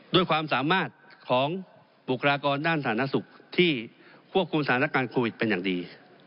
ด้วยความสามารถของบุคลากรด้านสาธารณสุขที่ควบคุมสถานการณ์โควิดเป็นอย่างดี